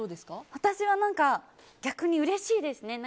私は逆にうれしいですね。